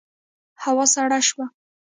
هوا سړه شوه.